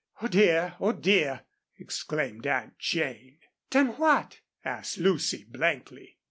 "Oh dear! Oh dear!" exclaimed Aunt Jane. "Done what?" asked Lucy, blankly.